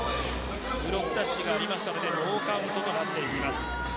ブロックタッチがありましたのでノーカウントの判定です。